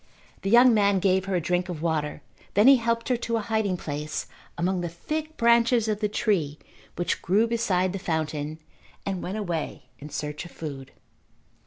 The young man gave her a drink of water. Then he helped her to a hiding place among the thick branches of the tree which grew beside the fountain and went away in search of food.